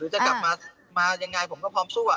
จะกลับมายังไงผมก็พร้อมสู้